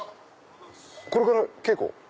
これから稽古？